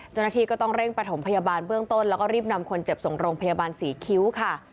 เจ้าหน้าที่ก็ต้องเร่งประถมพยาบาลเบื้องต้นแล้วก็รีบนำคนเจ็บส่งโรงพยาบาลศรีคิ้วค่ะ